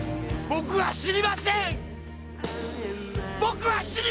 「僕は死にません！」